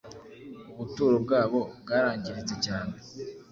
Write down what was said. ubuturo bwabo bwarangiritse cyane